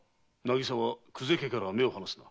渚は久世家から目を離すな。